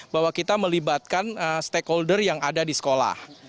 bahwa kita melibatkan stakeholder yang ada di sekolah